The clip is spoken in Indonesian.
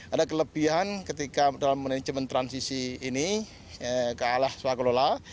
ada kelebihan ketika dalam manajemen transisi ini ke alaswa kelola